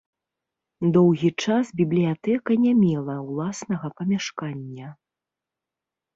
Доўгі час бібліятэка не мела ўласнага памяшкання.